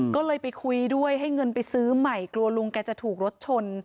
ก็เลยไปคุยด้วยให้เงินไปซื้อใหม่กลัวลุงแกจะถูกรถชน